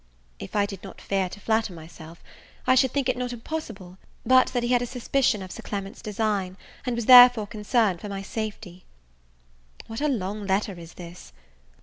If I did not fear to flatter myself, I should think it not impossible but that he had a suspicion of Sir Clement's design, and was therefore concerned for my safety. What a long letter is this!